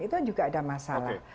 itu juga ada masalah